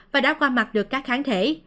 và đã qua mặt được các kháng thể